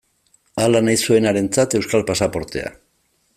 Hala nahi zuenarentzat euskal pasaportea.